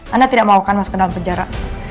anda tidak melakukan masuk ke dalam penjara